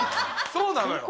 そうなのよ。